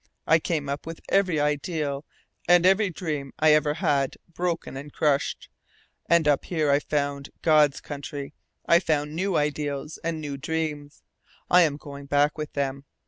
I came up with every ideal and every dream I ever had broken and crushed. And up here I found God's Country. I found new ideals and new dreams. I am going back with them.